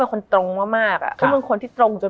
มันทำให้ชีวิตผู้มันไปไม่รอด